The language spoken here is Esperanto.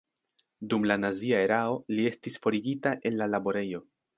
Dum la nazia erao li estis forigita el la laborejo.